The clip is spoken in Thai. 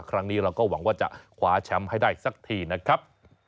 ครั้งนี้เราก็หวังว่าจะคว้าแชมป์ให้ได้สักทีนะครับ